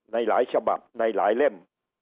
ในหลายฉบับในหลายเล่ม